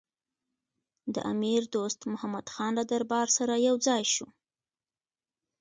د امیر دوست محمدخان له دربار سره یو ځای شو.